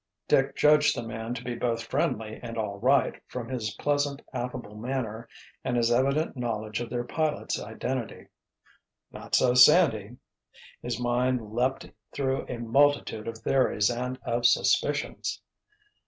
Dick judged the man to be both friendly and "all right," from his pleasant, affable manner and his evident knowledge of their pilot's identity. Not so Sandy! His mind leaped through a multitude of theories and of suspicions.